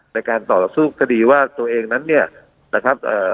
ในการต่อหลักซึ้งตัวเองนั้นนี่นะครับ